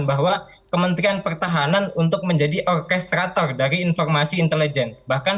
bahwa kementerian pertahanan untuk menjadi orkestrator dari informasi intelijen bahkan